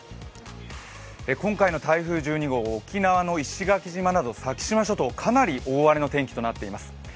今回の台風１２号、沖縄の石垣島など先島諸島、かなり大荒れな天気となっています。